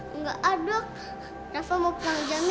enggak aduh rafa mau pulang jamir